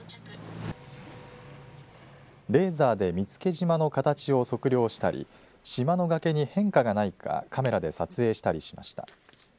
レーザーで見附島の形を測量したり島の崖に変化がないかカメラで撮影したりしました。